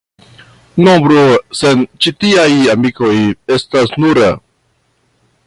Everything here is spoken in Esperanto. Nombro sen ĉi tiaj amikoj estas nura.